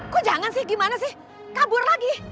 kok jangan sih gimana sih kabur lagi